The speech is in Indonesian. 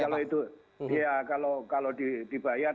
kalau itu kalau dibayar